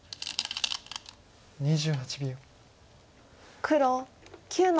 ２８秒。